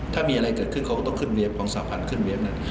ถ้ามีอะไรเกิดขึ้นเขาก็ต้องขึ้นวีชัก